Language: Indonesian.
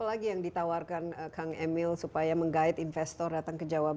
apa lagi yang ditawarkan kang emil supaya menggait investor datang ke jawa barat